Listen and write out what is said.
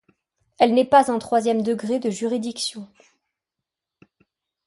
Elle n’est pas un troisième degré de juridiction.